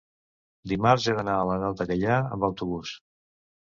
dimarts he d'anar a la Nou de Gaià amb autobús.